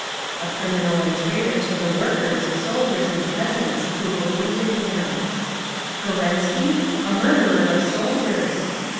"A criminal and a traitor to the workers, soldiers and peasants, who believed in him. "Kerensky? A murderer of soldiers!